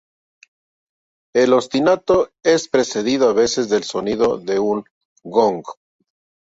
El ostinato es precedido a veces del sonido de un gong.